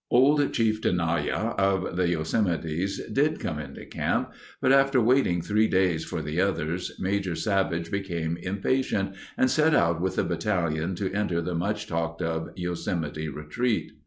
Old Chief Tenaya of the Yosemites did come into camp, but, after waiting three days for the others, Major Savage became impatient and set out with the battalion to enter the much talked of Yosemite retreat.